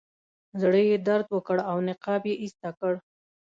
زړه یې درد وکړ او نقاب یې ایسته کړ.